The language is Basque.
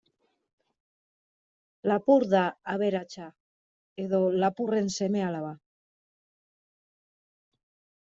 Lapur da aberatsa, edo lapurren seme-alaba.